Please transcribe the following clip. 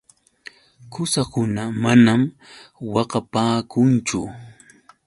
Qusakuna manam waqapaakunchu.